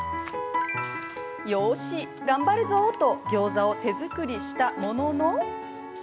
「よし頑張るぞ！」とギョーザを手作りしたものの。